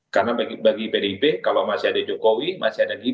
karena bagi pdip kalau masih ada jokowi masih ada gibran